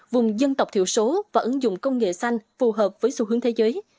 vùng dân tộc thiểu số và ứng dụng công nghệ xanh phù hợp với xu hướng thế giới